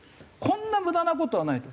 こんな無駄な事はないと。